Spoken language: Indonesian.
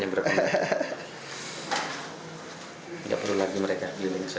tidak perlu lagi mereka keliling ke sana